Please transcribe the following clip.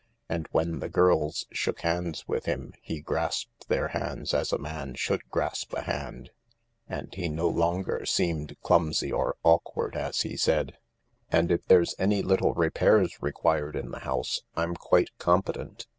And when the girls shook hands with him he grasped their hands as a man should grasp a hand, and he no longer seemed clumsy or awkward as he said :" And if there's any little repairs required in the house I'm quite competent.